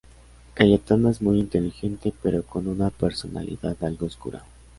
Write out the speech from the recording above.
Cayetana es muy inteligente, pero con una personalidad algo oscura.